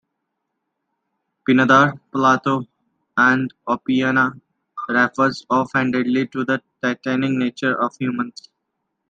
Pindar, Plato, and Oppian refer offhandedly to the "Titanic nature" of humans.